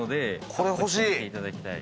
これ欲しい。